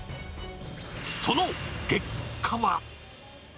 その結果は。